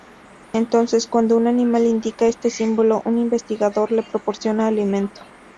Entonces, cuando un animal indica este símbolo, un investigador le proporciona alimento.